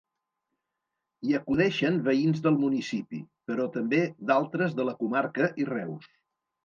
Hi acudeixen veïns del municipi, però també d'altres de la comarca i Reus.